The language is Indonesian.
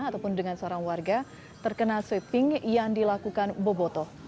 ataupun dengan seorang warga terkena swiping yang dilakukan bobotol